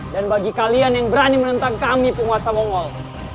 dan bagi kalian yang berani menentang kami penguasa mongol